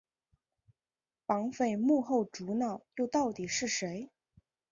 绑匪幕后主脑又到底是谁？